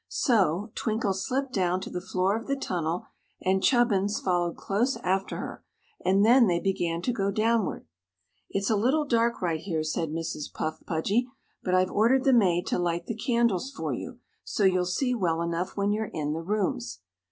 So, Twinkle slipped down to the floor of the tunnel and Chubbins followed close after her, and then they began to go downward. "It's a little dark right here," said Mrs. Puff Pudgy; "but I've ordered the maid to light the candles for you, so you'll see well enough when you're in the rooms."